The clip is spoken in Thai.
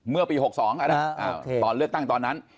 เมื่อปี๖๒ตอนเลือกตั้งตอนนั้น